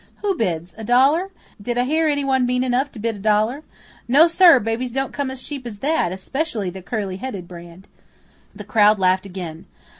Who bids? A dollar? Did I hear anyone mean enough to bid a dollar? No, sir, babies don't come as cheap as that, especially the curly headed brand." The crowd laughed again.